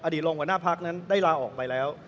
อดีตรงวันหน้าภาคนั้นได้ลาออกไปแล้ว